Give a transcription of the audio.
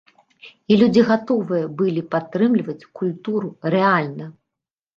І людзі гатовыя былі падтрымліваць культуру рэальна!